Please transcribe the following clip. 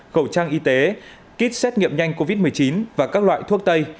khẩu trang y tế kit xét nghiệm nhanh covid một mươi chín và các loại thuốc tây